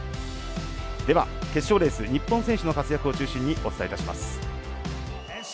では、決勝レース日本選手の活躍を中心にお伝えいたします。